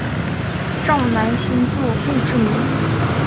赵南星作墓志铭。